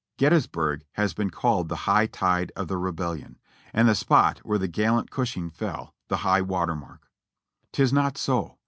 Gettysburg has been called the high tide of the Rebellion, and the spot where the gallant Gushing fell, the high water mark. "Tis not so.